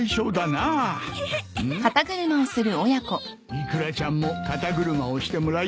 イクラちゃんも肩車をしてもらいたいのか？